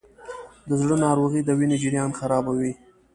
د زړه ناروغۍ د وینې جریان خرابوي.